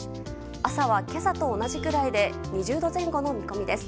朝は今朝と同じくらいで２０度前後の見込みです。